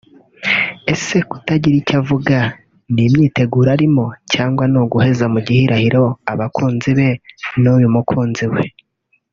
Ese kutagira icyo avuga ni imyiteguro arimo cyangwa ni uguheza mu gihirahiro abakunzi be n’uyu mukunzi we